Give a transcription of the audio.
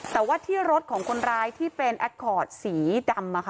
แต่ว่าที่รถของคนร้ายที่เป็นแอคคอร์ดสีดำ